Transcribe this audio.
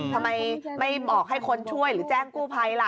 ทำไมไม่บอกให้คนช่วยหรือแจ้งกู้ภัยล่ะ